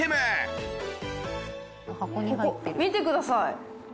ここ見てください。